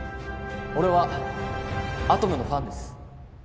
俺はアトムのファンです